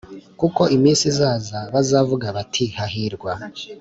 kuko iminsi izaza bazavuga bati Hahirwa